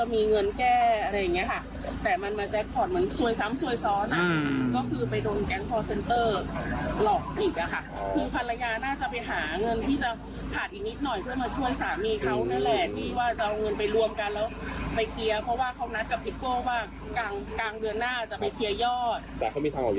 มีทางออกอยู่แล้วแต่ว่ามันขาดมันขาดอยู่แค่นิดเดียว